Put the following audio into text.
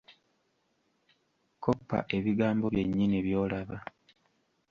Koppa ebigambo byennyini by'olaba.